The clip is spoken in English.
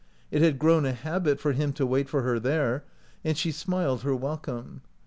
It had grown a habit for him to wait for her there, and she smiled her welcome.